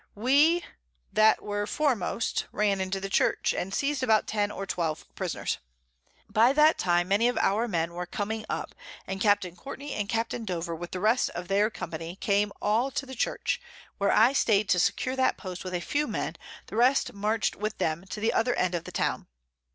We that were foremost ran into the Church, and seized about 10 or 12 Prisoners. By that time many of our Men were coming up, and Capt. Courtney and Capt. Dover, with the rest of their Company came all to the Church, where I staid to secure that Post with a few Men, the rest march'd with them to the other End of the Town.